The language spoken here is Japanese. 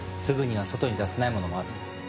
すぐには外に出せないものもある。